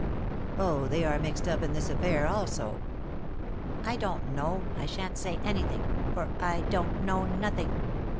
"Oh, they are mixed up in this affair also." "I don't know. I shan't say anything, for I don't know nothing."